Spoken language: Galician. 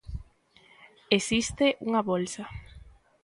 Existe unha bolsa.